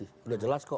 sudah jelas kok